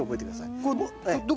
これ。